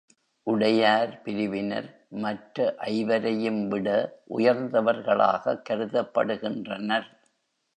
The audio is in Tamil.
உடையார் பிரிவினர் மற்ற ஐவரையும்விட உயர்ந்தவர்களாகக் கருதப்படுகின்றனர்.